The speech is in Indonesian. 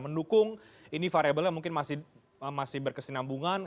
mendukung ini variabelnya mungkin masih berkesinambungan